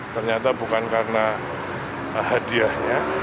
ternyata bukan karena hadiahnya